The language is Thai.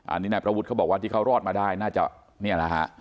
อันนี้นายประวุฒิเขาบอกว่าที่เขารอดมาได้น่าจะเนี่ยแหละฮะ